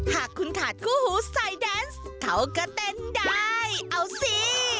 หากคุณขาดคู่หูใส่แดนซ์เขาก็เต้นได้เอาสิ